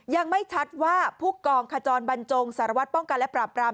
ยังไม่ชัดว่าผู้กองขจรบรรจงสารวัตรป้องกันและปราบราม